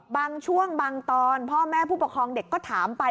บางช่วงบางตอนพ่อแม่ผู้ปกครองเด็กก็ถามไป